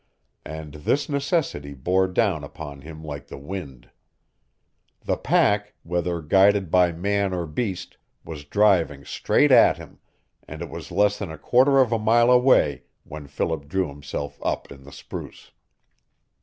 And this necessity bore down upon him like the wind. The pack, whether guided by man or beast, was driving straight at him, and it was less than a quarter of a mile away when Philip drew himself up in the spruce.